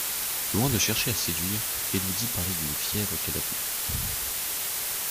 Loin de chercher à séduire, Élodie parlait d'une fièvre qu'elle avait eue.